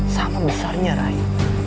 sama besarnya rai